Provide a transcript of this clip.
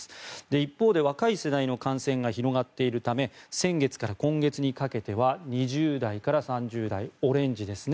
一方で若い世代の感染が広がっているため先月から今月にかけては２０代から３０代オレンジですね